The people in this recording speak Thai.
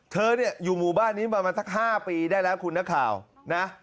เธอเนี่ยอยู่หมู่บ้านนี้ประมาณสัก๕ปีได้แล้วคุณนักข่าวนะ